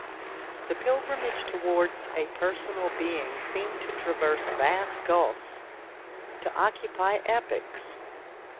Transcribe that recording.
The pilgrimage towards a personal being seemed to traverse vast gulfs, to occupy epochs.